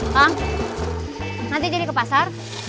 bang nanti jadi ke pasar